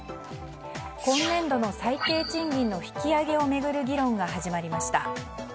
今年度の最低賃金の引き上げを巡る議論が始まりました。